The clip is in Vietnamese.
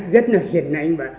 rất là hiền nảnh